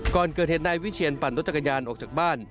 ก่อนเกิดเหตุนายวิเชียนปั่นรถจักรยานออกจากบ้าน